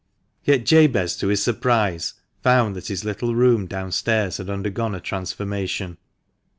Yet, Jabez, to his surprise, found that his little room down stairs had undergone a transformation.